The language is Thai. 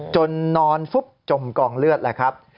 นอนฟุบจมกองเลือดแล้วครับ